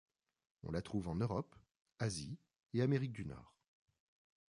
On la trouve en Europe, Asie et Amérique du Nord.